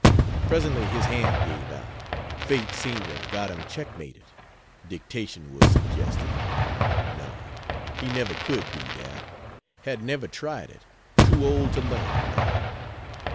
Presently his hand gave out; fate seemed to have got him checkmated. Dictation was suggested. No, he never could do that; had never tried it; too old to learn, now.